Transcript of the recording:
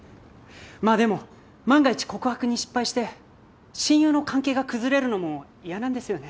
まあでも万が一告白に失敗して親友の関係が崩れるのも嫌なんですよね。